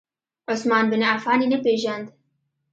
عثمان بن عفان یې نه پیژاند.